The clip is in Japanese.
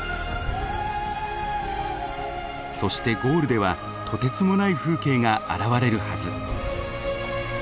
そしてゴールではとてつもない風景が現れるはず。